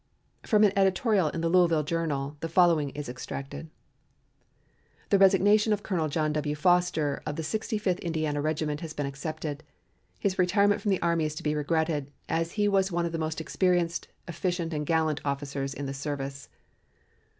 From an editorial in the "Louisville Journal" the following is extracted: The resignation of Colonel John W. Foster of the Sixty fifth Indiana Regiment has been accepted. His retirement from the army is to be regretted, as he was one of the most experienced, efficient and gallant officers in the service.